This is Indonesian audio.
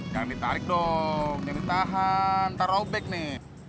jangan ditarik dong jangan ditahan nanti robek nih